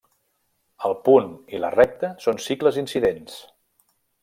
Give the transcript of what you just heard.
El punt i la recta són cicles incidents.